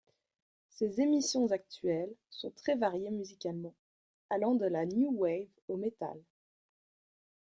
Ses émissions actuelles sont très variées musicalement, allant de la new wave au metal.